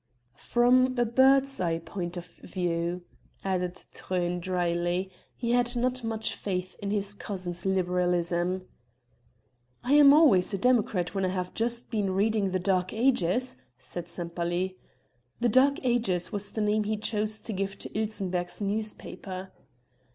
"From a bird's eye point of view," added Truyn drily; he had not much faith in his cousin's liberalism. "I am always a democrat when I have just been reading 'The Dark Ages,'" said Sempaly 'The Dark Ages' was the name he chose to give to Ilsenbergh's newspaper.